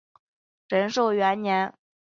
仁寿元年。